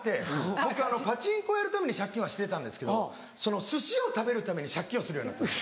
僕パチンコやるために借金はしてたんですけど寿司を食べるために借金をするようになったんです。